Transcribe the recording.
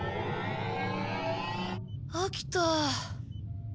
飽きた。